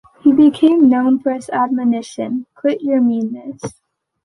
He became known for his admonition, Quit Your Meanness.